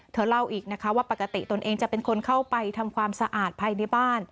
เธอเล่าอีกนะคะว่าปกติตนเองจะเป็นคนเข้าไปทำความสะอาดภายในบ้าน